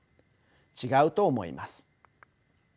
違うと思います。